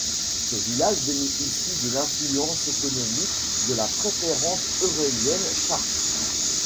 Ce village bénéficie de l'influence économique de la préfecture eurélienne, Chartres.